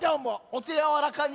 おてやわらかに。